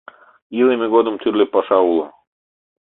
Илыме годым тӱрлӧ паша уло.